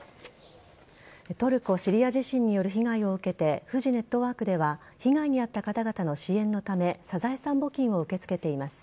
トルコ・シリア地震による被害を受けてフジネットワークでは被害に遭った方々の支援のためサザエさん募金を受け付けています。